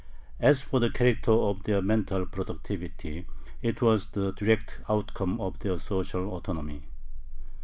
As for the character of their mental productivity, it was the direct outcome of their social autonomy.